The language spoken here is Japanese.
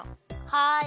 はい！